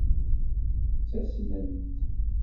Ttasment.